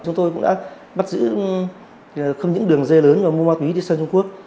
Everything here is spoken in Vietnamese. chúng tôi cũng đã bắt giữ không những đường dây lớn mà mua ma túy đi sang trung quốc